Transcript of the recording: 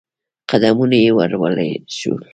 قدمونه يې ورو شول.